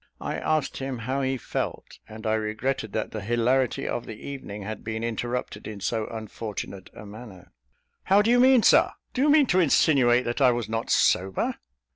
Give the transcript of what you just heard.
I asked him how he felt; and I regretted that the hilarity of the evening had been interrupted in so unfortunate a manner. "How do you mean, sir? Do you mean to insinuate that I was not sober?"